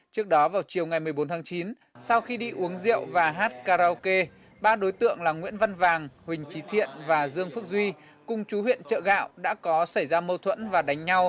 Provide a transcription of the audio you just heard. trước đó vào chiều ngày một mươi bốn tháng chín sau khi đi uống rượu và hát karaoke ba đối tượng là nguyễn văn vàng huỳnh trí thiện và dương phước duy cùng chú huyện trợ gạo đã có xảy ra mâu thuẫn và đánh nhau